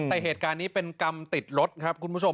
แต่เหตุการณ์นี้เป็นกรรมติดรถครับคุณผู้ชม